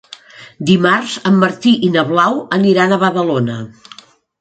Dimarts en Martí i na Blau aniran a Badalona.